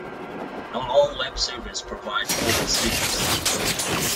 Not all web servers provide forward secrecy.